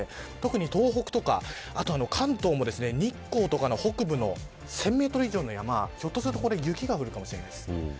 特に東北とか関東も日光とかの北部の１０００メートル以上の山はひょっとすると雪が降るかもしれないです。